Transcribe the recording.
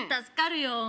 助かるよ